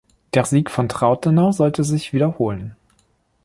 Der Sieg von Trautenau sollte sich wiederholen.